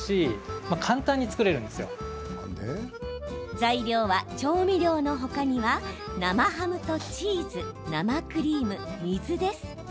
材料は、調味料の他には生ハムとチーズ生クリーム、水です。